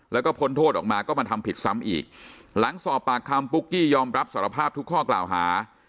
แล้วก็พ้นโทษออกมาก็มาทำผิดซ้ำอีกหลังสอบปากคำปุ๊กกี้ยอมรับสารภาพทุกข้อกล่าวหา